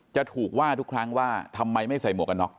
จะถูกว่าทุกครั้งว่าทำไมไม่ใส่หมวกกันน็อก